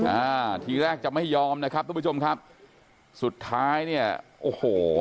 อ่าทีแรกจะไม่ยอมนะครับทุกผู้ชมครับสุดท้ายเนี่ยโอ้โห